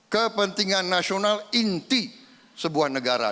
kepentingan nasional inti sebuah negara